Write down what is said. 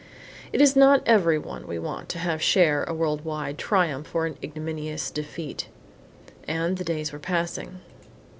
It is not every one we want to have share a world wide triumph or an ignominious defeat. And the days were passing.